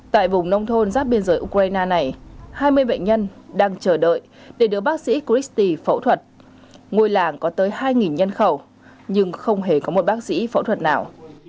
tại vùng nông thôn giáp biên giới ukraine này hai mươi bệnh nhân đang chờ đợi để được bác sĩ christi phẫu thuật ngôi làng có tới hai nhân khẩu nhưng không hề có một bác sĩ phẫu thuật nào